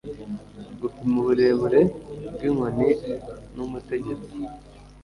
Gupima uburebure bw'inkoni n'umutegetsi.